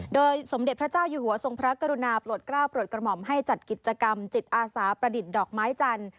โดยสมเด็จพระเจ้าอยู่หัวทรงพระกรุณาโปรดกล้าวโปรดกระหม่อมให้จัดกิจกรรมจิตอาสาประดิษฐ์ดอกไม้จันทร์